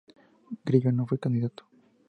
Grillo no fue candidato.